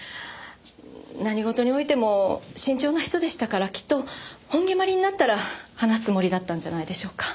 何事においても慎重な人でしたからきっと本決まりになったら話すつもりだったんじゃないでしょうか？